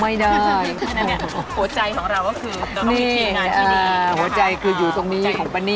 หัวใจคืออยู่ตรงนี้ของปะนิ่ม